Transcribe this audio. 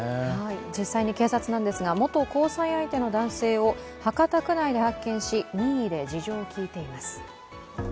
実際に警察ですが、元交際相手の男性を博多区内で発見し、任意で事情を聴いています。